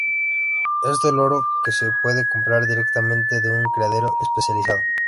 Este loro que se puede comprar directamente de un criadero especializado.